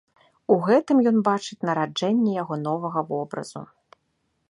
У гэтым ён бачыць нараджэнне яго новага вобразу.